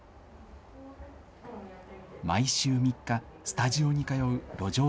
毎週３日、スタジオに通う路上